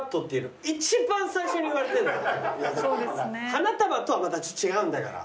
花束とはまた違うんだから。